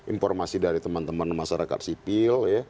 informasi dari teman teman masyarakat sipil